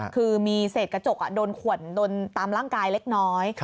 คือมีเศษกระจกโดนขวนโดนตามร่างกายเล็กน้อย